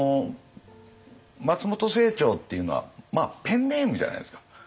松本清張っていうのはペンネームじゃないですか。